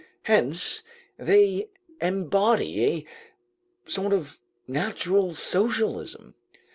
Hence they embody a sort of natural socialism.